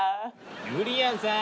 ゆりやんさん。